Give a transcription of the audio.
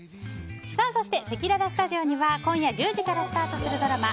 そして、せきららスタジオには今夜１０時からスタートするドラマ